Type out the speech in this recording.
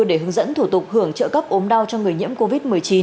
để hướng dẫn thủ tục hưởng trợ cấp ốm đau cho người nhiễm covid một mươi chín